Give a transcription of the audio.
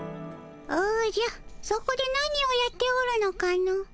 おじゃそこで何をやっておるのかの？